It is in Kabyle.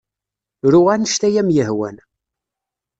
Ru anect ay am-yehwan.